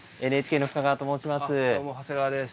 ＮＨＫの深川と申します。